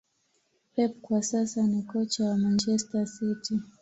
pep kwa sasa ni kocha wa Manchester City